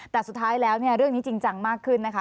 แต่สุดท้ายแล้วเนี่ยเรื่องนี้จริงจังมากขึ้นนะคะ